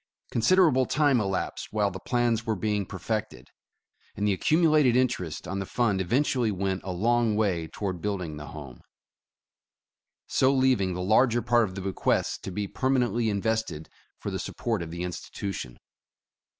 Considerable time elapsed while the plans were being perfected, and the accumulated interest on the fund eventually went a long way toward building the Home, 257 The Original John Jacob Astor so leaving the larger part of the bequest to be per manently invested for the support of the institution.